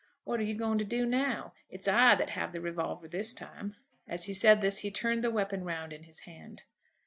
"What are you going to do now? It's I that have the revolver this time." As he said this he turned the weapon round in his hand.